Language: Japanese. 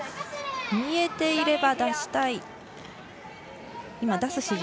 見えていれば出したい。